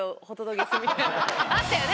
あったよね？